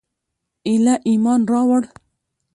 ایله ایمان راووړ.